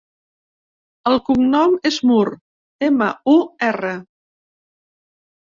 El cognom és Mur: ema, u, erra.